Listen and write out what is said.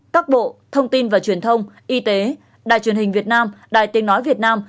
các bộ thông tin và truyền thông y tế đài truyền hình việt nam đài tiếng nói việt nam